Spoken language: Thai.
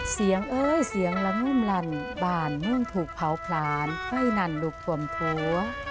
เสียงเอ๊ยเสียงละนุ่มลั่นบ้านเมื่องถูกเผาผลาญไฟนั่นลุกทวมถัว